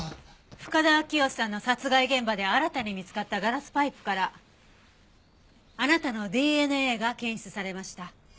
深田明良さんの殺害現場で新たに見つかったガラスパイプからあなたのＤＮＡが検出されました。